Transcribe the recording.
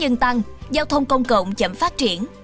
dân tăng giao thông công cộng chậm phát triển